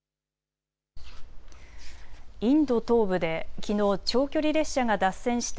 インド東部できのう長距離列車が脱線した